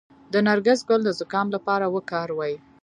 د نرګس ګل د زکام لپاره وکاروئ